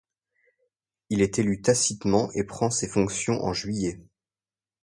Il est élu tacitement et prend ses fonctions en juillet.